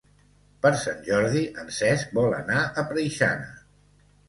Per Sant Jordi en Cesc vol anar a Preixana.